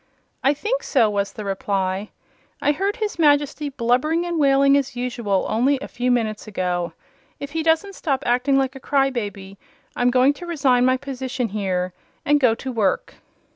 "I think so," was the reply. "I heard his Majesty blubbering and wailing as usual only a few minutes ago. If he doesn't stop acting like a cry baby I'm going to resign my position here and go to work."